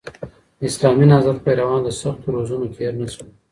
د اسلامي نهضت پیروان له سختو روزنو تېر نه سول.